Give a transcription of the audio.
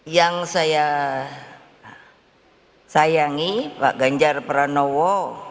yang saya sayangi pak ganjar pranowo